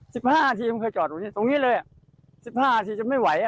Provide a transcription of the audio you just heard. สิบห้านาทีมันเคยจอดตรงนี้ตรงนี้เลยอ่ะสิบห้านาทีจะไม่ไหวอ่ะ